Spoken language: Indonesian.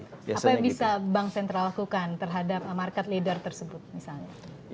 apa yang bisa bank sentral lakukan terhadap market leader tersebut misalnya